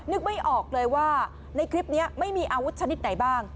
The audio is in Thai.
นึกไม่ออกเลยว่าในคลิปนี้ไม่มีอาวุธชนิดไหนบ้าง